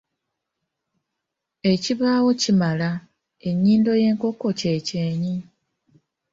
Ekibaawo kimala, ennyindo y’enkoko kye kyenyi.